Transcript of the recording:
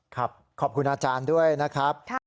ครับขอบคุณอาจารย์ด้วยนะครับ